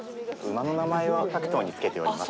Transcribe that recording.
馬の名前を各棟につけております。